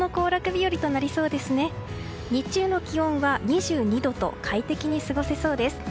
日中の気温は２２度と快適に過ごせそうです。